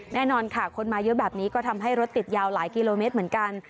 แน่นอนค่ะคนมาเยอะแบบนี้ก็ทำให้รถติดยาวหลายกิโลเมตรเหมือนกัน